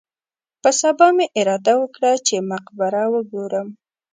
په سبا مې اراده وکړه چې مقبره وګورم.